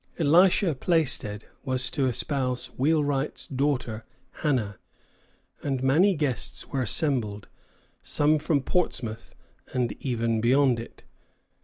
Elisha Plaisted was to espouse Wheelwright's daughter Hannah, and many guests were assembled, some from Portsmouth, and even beyond it.